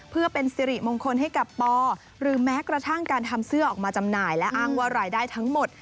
เพื่อเป็นสิริมงคลให้กับปอหรือแม้กระทั่งการทำเสื้อออกมาจำหน่ายและอ้างว่ารายได้ทั้งหมด